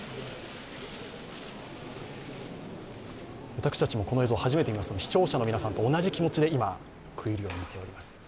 私たちもこの映像を初めて見ますので視聴者の皆さんと同じ気持ちで今、食い入るように見ております。